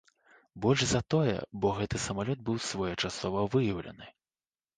Больш за тое, бо гэты самалёт быў своечасова выяўлены.